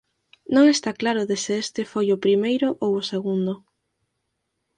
Non está claro de se este foi o Primeiro ou o Segundo.